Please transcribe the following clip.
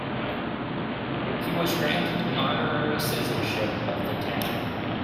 He was granted honorary citizenship of the town.